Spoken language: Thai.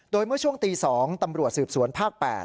โดยเมื่อช่วงตี๒ตำรวจสืบสวนภาค๘